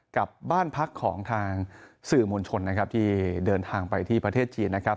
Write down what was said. กับบ้านพักของทางสื่อมวลชนนะครับที่เดินทางไปที่ประเทศจีนนะครับ